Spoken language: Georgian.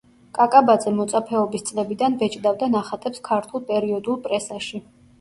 კაკაბაძე მოწაფეობის წლებიდან ბეჭდავდა ნახატებს ქართულ პერიოდულ პრესაში.